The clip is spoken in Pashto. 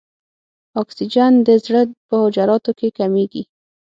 اکسیجن د زړه په حجراتو کې کمیږي.